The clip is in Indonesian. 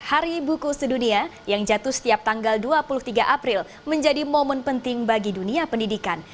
hari buku sedunia yang jatuh setiap tanggal dua puluh tiga april menjadi momen penting bagi dunia pendidikan